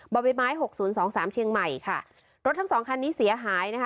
บ่อใบไม้หกศูนย์สองสามเชียงใหม่ค่ะรถทั้งสองคันนี้เสียหายนะคะ